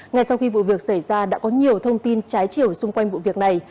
ngay sau khi vụ việc xảy ra đã có nhiều thông tin trái chiều xung quanh vụ việc này